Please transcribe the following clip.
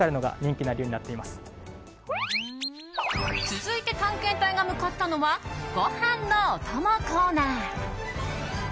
続いて、探検隊が向かったのはご飯のお供コーナー。